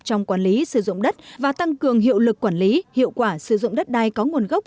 trong quản lý sử dụng đất và tăng cường hiệu lực quản lý hiệu quả sử dụng đất đai có nguồn gốc